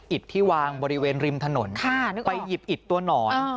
ที่วางบริเวณริมถนนไปหยิบอิดตัวหนอน